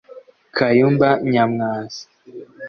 Kayumba Nyamwasa